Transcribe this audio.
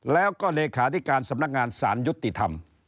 แล้วก็เลขาธิการสำนักงานสารยุติธรรม